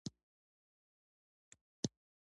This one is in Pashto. زه فکر کوم دایو قصدي عمل دی.